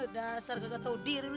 dasar nggak tau diri lu